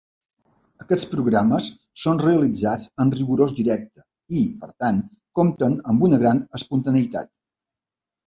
Aquests programes són realitzats en rigorós directe, i per tant compten amb una gran espontaneïtat.